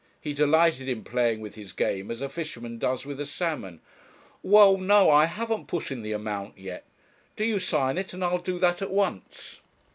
He delighted in playing with his game as a fisherman does with a salmon. 'Well no I haven't put in the amount yet. Do you sign it, and I'll do that at once.'